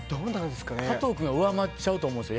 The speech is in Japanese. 加藤君が上回っちゃうと思うんですよ。